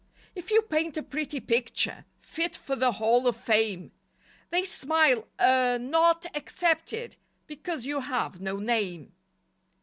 If you paint a pretty picture Fit for the "Hall of Fame," They smile a "not accepted," Because you have no "name."